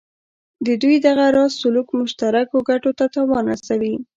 د دوی دغه راز سلوک مشترکو ګټو ته تاوان رسوي.